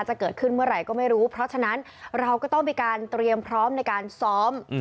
จะเกิดขึ้นเมื่อไหร่ก็ไม่รู้เพราะฉะนั้นเราก็ต้องมีการเตรียมพร้อมในการซ้อม